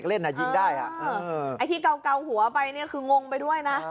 เล่นยิงได้อ่ะไอ้ที่เกาหัวไปเนี่ยคืองงไปด้วยนะ